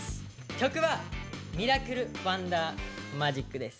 曲は「ミラクルワンダーマジック」です。